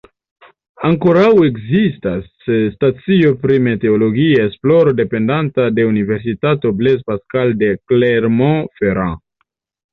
Ankoraŭ ekzistas stacio pri meteologia esploro dependanta de universitato Blaise Pascal de Clermont-Ferrand.